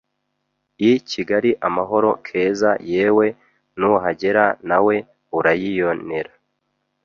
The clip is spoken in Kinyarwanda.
i Kigali amahoro! Keza: Yewe nuhagera nawe urayionera